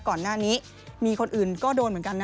ก่อนหน้านี้มีคนอื่นก็โดนเหมือนกันนะ